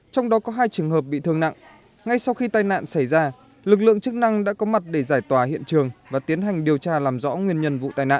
trong đó có hai trường hợp bị thương nặng ngay sau khi tai nạn xảy ra lực lượng chức năng đã có mặt để giải tỏa hiện trường và tiến hành điều tra làm rõ nguyên nhân vụ tai nạn